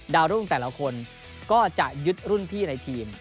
รุ่งแต่ละคนก็จะยึดรุ่นพี่ในทีม